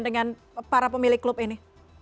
dengan para pemilik klub ini